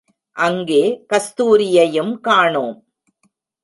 அங்கே கஸ்தூரியையும் காணோம்!